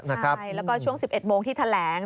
ใช่แล้วก็ช่วง๑๑โมงที่แถลง